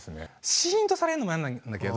しんとされるのも嫌なんだけど。